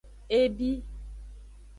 E bi.